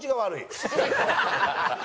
ハハハハ！